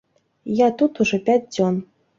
Я тут ужо пяць дзён.